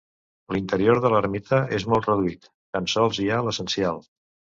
L'interior de l'ermita és molt reduït, tan sols hi ha l'essencial.